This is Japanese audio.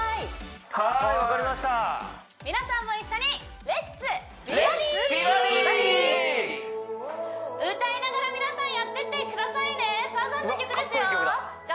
はーいはーい分かりました皆さんも一緒に歌いながら皆さんやってってくださいねサザンの曲ですよじゃ